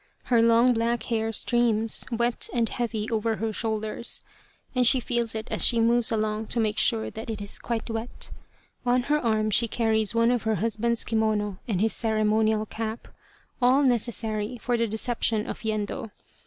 Her long black hair streams, wet and heavy, over her shoulders, and she feels it as she moves along to make sure that it is quite wet. On her arm she carries one of her husband's kimono and his ceremonial cap, all necessary for the deception of Yendo.